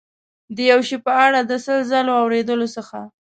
د یو شي په اړه د سل ځلو اورېدلو څخه.